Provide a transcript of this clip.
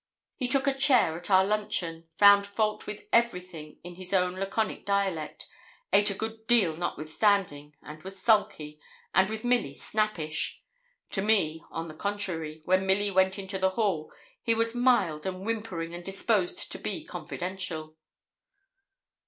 He took a chair at our luncheon, found fault with everything in his own laconic dialect, ate a good deal notwithstanding, and was sulky, and with Milly snappish. To me, on the contrary, when Milly went into the hall, he was mild and whimpering, and disposed to be confidential.